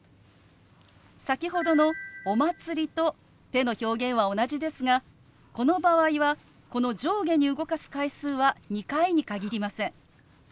先ほどの「お祭り」と手の表現は同じですがこの場合はこの上下に動かす回数は２回に限りません。